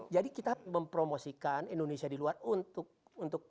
jadi kita mempromosikan indonesia di luar untuk